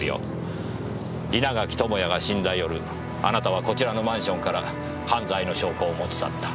稲垣智也が死んだ夜あなたはこちらのマンションから犯罪の証拠を持ち去った。